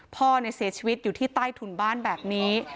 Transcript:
พ่อเสียชีวิตอยู่ที่ใต้ถุนบ้านแบบนี้